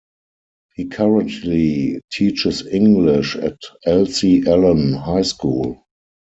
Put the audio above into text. He currently teaches English at Elsie Allen High School.